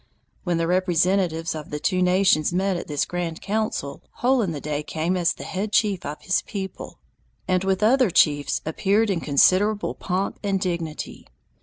When the representatives of the two nations met at this grand council, Hole in the Day came as the head chief of his people, and with the other chiefs appeared in considerable pomp and dignity.